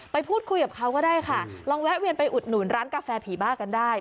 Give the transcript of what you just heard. ไปพูดคุยกับเขาก็ได้ค่ะลองแวะเวียนไปอุดหนุนร้านกาแฟผีบ้ากันได้